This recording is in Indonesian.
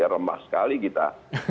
remah sekali kita